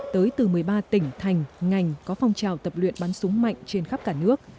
tới từ một mươi ba tỉnh thành ngành có phong trào tập luyện bắn súng mạnh trên khắp cả nước